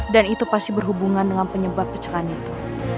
dan itu pasti berhubungan dengan penyebab pecahkan itu